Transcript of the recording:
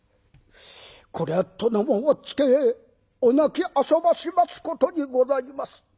「これは殿もおっつけお泣きあそばしますことにございます」。